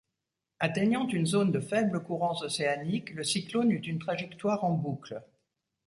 Atteignant une zone de faibles courants océaniques, le cyclone eut une trajectoire en boucle.